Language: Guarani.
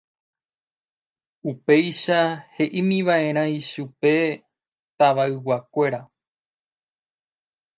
Upéicha he'ímiva'erã chupe tavayguakuéra.